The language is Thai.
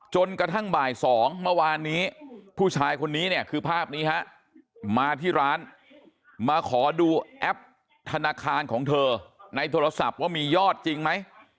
จนกระทั่งบ่าย๒เมื่อวานนี้ผู้ชายคนนี้เนี่ยคือภาพนี้ฮะมาที่ร้านมาขอดูแอปธนาคารของเธอในโทรศัพท์ว่ามียอดจริงไหม